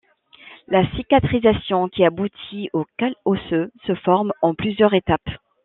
La cicatrisation qui aboutit au cal osseux se forme en plusieurs étapes.